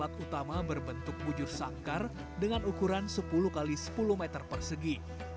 alat utama berbentuk bujur sangkar dengan ukuran sepuluh x sepuluh meter persegi